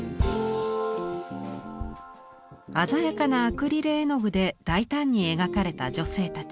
鮮やかなアクリル絵の具で大胆に描かれた女性たち。